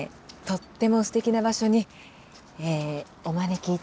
とってもすてきな場所にお招き頂きました。